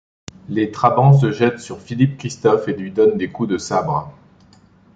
Les trabans se jettent sur Philippe-Christophe et lui donnent des coups de sabre.